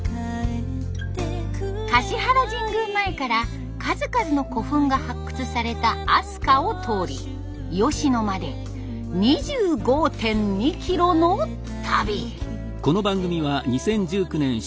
橿原神宮前から数々の古墳が発掘された飛鳥を通り吉野まで２５．２キロの旅。